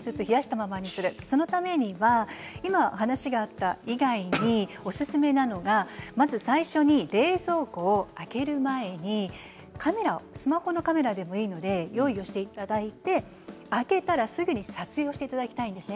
ずっと冷やしたままにするそのためには今お話があった以外におすすめなのが、まず最初に冷蔵庫を開ける前にスマホのカメラでもいいので用意をしていただいて開けたらすぐに撮影していただきたいんです。